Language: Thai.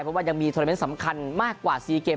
เพราะว่ายังมีโทรเมนต์สำคัญมากกว่า๔เกม